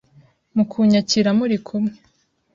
Mu kunyakira muri kumwe